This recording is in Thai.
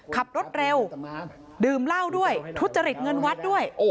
ขับรถเร็วดื่มเหล้าด้วยทุจริตเงินวัดด้วย